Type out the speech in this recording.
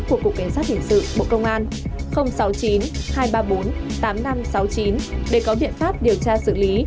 của cục cảnh sát hình sự bộ công an sáu mươi chín hai trăm ba mươi bốn tám nghìn năm trăm sáu mươi chín để có biện pháp điều tra xử lý